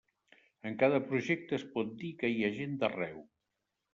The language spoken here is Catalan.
En cada projecte es pot dir que hi ha gent d'arreu.